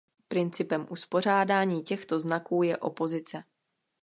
Principem uspořádání těchto znaků je opozice.